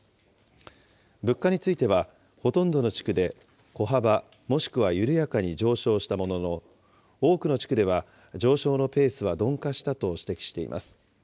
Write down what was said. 物価については、ほとんどの地区で小幅、もしくは緩やかに上昇したものの、多くの地区では、上昇のペースは鈍化したと指摘しています。